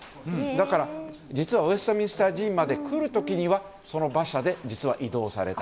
だから、実はウェストミンスター寺院まで来る時にはその馬車で実は移動された。